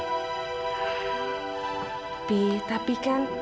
tapi tapi kan